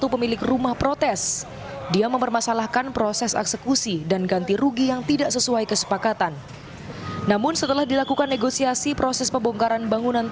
pemilik rumah di jalan wiyung surabaya akhirnya mengeksekusi enam bangunan rumah di jalan wiyung surabaya